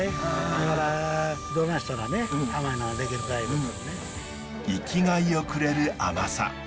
だから生きがいをくれる甘さ。